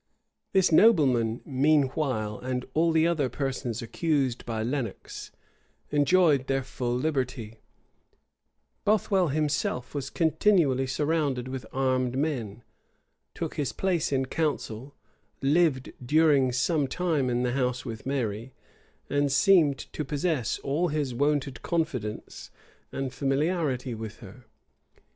[*] This nobleman, meanwhile, and all the other persons accused by Lenox, enjoyed their full liberty;[] Bothwell himself was continually surrounded with armed men; [] took his place in council;[] lived during some time in the house with Mary;[v] and seemed to possess all his wonted confidence and familiarity with her.